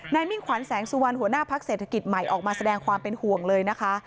มิ่งขวัญแสงสุวรรณหัวหน้าพักเศรษฐกิจใหม่ออกมาแสดงความเป็นห่วงเลยนะคะ